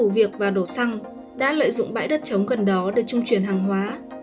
và đổ xăng đã lợi dụng bãi đất chống gần đó để trung truyền hàng hóa